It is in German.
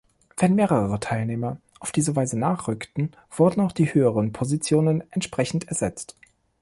Wenn mehrere Teilnehmer auf diese Weise nachrückten, wurden auch die höheren Positionen entsprechend ersetzt.